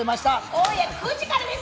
今夜９時からです。